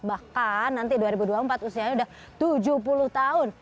bahkan nanti dua ribu dua puluh empat usianya sudah tujuh puluh tahun